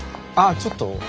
あっちょっと。